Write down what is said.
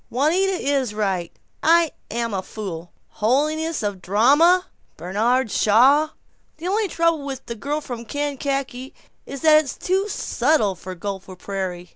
"Juanita is right. I'm a fool. Holiness of the drama! Bernard Shaw! The only trouble with 'The Girl from Kankakee' is that it's too subtle for Gopher Prairie!"